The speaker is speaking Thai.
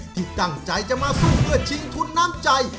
ที่ตั้งใจจะมาสู้เพื่อชิงทุนน้ำใจ